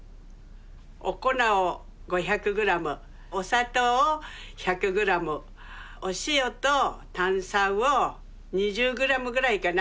お粉を５００ｇお砂糖を１００ｇお塩と炭酸を２０ｇぐらいかな。